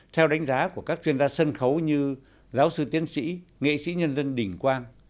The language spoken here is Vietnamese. theo đánh giá của các chuyên gia sân khấu như giáo sư tiến sĩ nghệ sĩ nhân dân đình quang